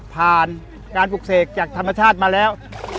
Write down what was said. ผ่านการปลูกเสกจากธรรมชาติมาแล้ว